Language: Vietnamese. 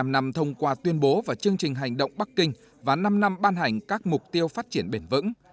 bảy mươi năm năm thông qua tuyên bố và chương trình hành động bắc kinh và năm năm ban hành các mục tiêu phát triển bền vững